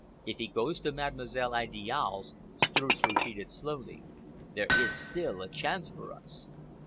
"If he goes to Mademoiselle Idiale's," Streuss repeated slowly, "there is still a chance for us!"